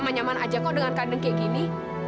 kau aman aja kok dengan kandang kayak gini